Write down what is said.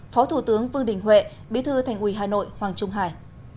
phó thủ tướng vương đình huệ bí thư thành ủy hà nội hoàng trung hải